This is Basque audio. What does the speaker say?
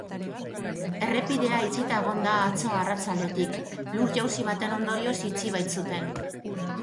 Errepidea itxita egon da atzo arratsaldetik, lur-jausi baten ondorioz itxi baitzuten.